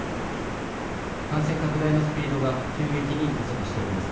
感染拡大のスピードが、急激に加速しております。